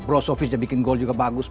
bro sofis yang bikin gol juga bagus